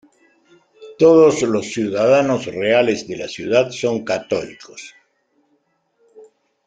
Todos los ciudadanos reales de la ciudad son católicos.